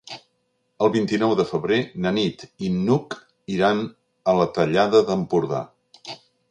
El vint-i-nou de febrer na Nit i n'Hug iran a la Tallada d'Empordà.